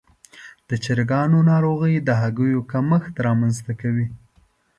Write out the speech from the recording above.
د چرګانو ناروغي د هګیو کمښت رامنځته کوي.